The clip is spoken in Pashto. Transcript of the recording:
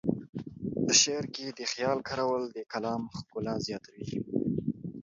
په شعر کې د خیال کارول د کلام ښکلا زیاتوي.